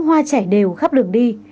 hoa chảy đều khắp đường đi